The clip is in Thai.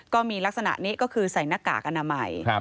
ก็มีลักษณะนี้ก็คือใส่หน้ากากอนามัย